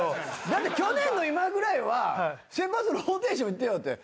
だって去年の今ぐらいは「先発ローテーション言ってよ」って。